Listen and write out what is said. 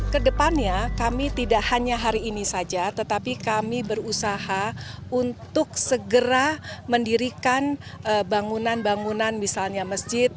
kedepannya kami tidak hanya hari ini saja tetapi kami berusaha untuk segera mendirikan bangunan bangunan misalnya masjid